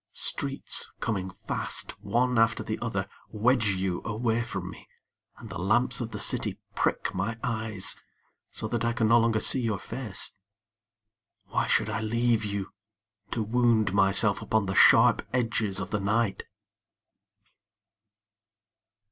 Streets coming fast, One after the other, Wedge you away from me, And the lamps of the city prick my eyes So that I can no longer see your face. Why should I leave you, To wound myself upon the sharp edges of the night?